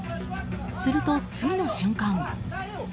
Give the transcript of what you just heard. すると、次の瞬間。